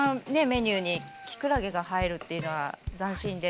メニューにきくらげが入るっていうのは斬新です。